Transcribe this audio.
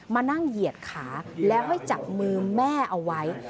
มานั่งเหยียดขาแล้วให้จับมือแม่เอาไว้